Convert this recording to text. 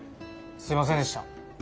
すいませんでした。